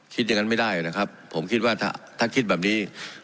คิดอย่างนั้นไม่ได้นะครับผมคิดว่าถ้าคิดแบบนี้